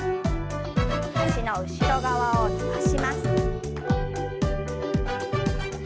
脚の後ろ側を伸ばします。